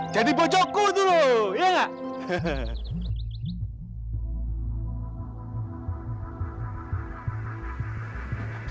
jadi bocokku dulu ya gak